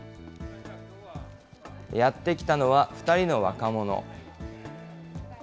やって来たのは２人の若者。